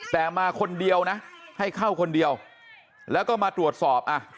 แต่มาคนเดียวนะให้เข้าคนเดียวแล้วก็มาตรวจสอบอ่ะ